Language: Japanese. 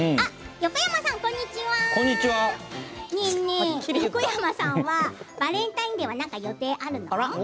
横山さんはバレンタインデーは何か予定あるの？